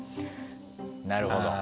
なるほど。